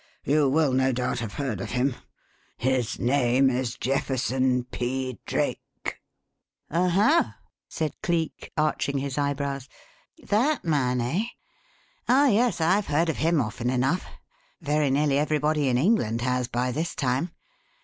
You will, no doubt, have heard of him. His name is Jefferson P. Drake." "Oho!" said Cleek, arching his eyebrows. "That man, eh? Oh, yes, I've heard of him often enough very nearly everybody in England has by this time.